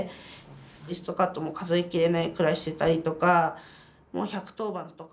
リストカットも数え切れないくらいしてたりとかもう１１０番とかも。